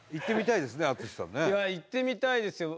いや行ってみたいですよ。